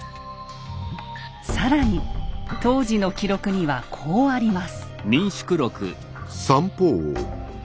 更に当時の記録にはこうあります。